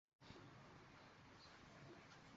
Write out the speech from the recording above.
আমাকে মাফ করে দিও।